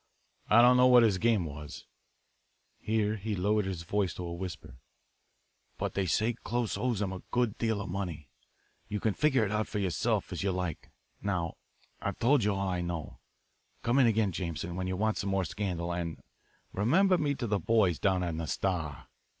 I don't know what his game was" here he lowered his voice to a whisper "but they say Close owes him a good deal of money. You can figure it out for yourself as you like. Now, I've told you all I know. Come in again, Jameson, when you want some more scandal, and remember me to the boys down on the Star."